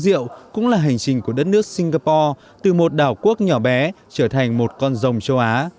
rượu cũng là hành trình của đất nước singapore từ một đảo quốc nhỏ bé trở thành một con rồng châu á